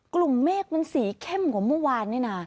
กลุ่มเมฆมันสีเข้มกว่าเมื่อวานเนี่ยนะ